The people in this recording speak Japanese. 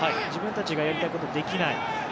自分たちがやりたいことをできない。